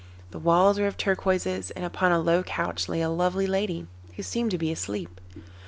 The walls were of turquoises, and upon a low couch lay a lovely lady, who seemed to be asleep.